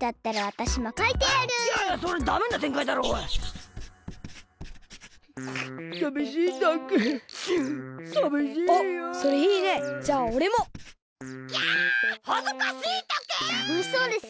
たのしそうですね。